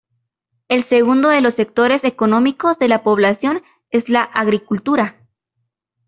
El segundo de los sectores económicos de la población es la agricultura.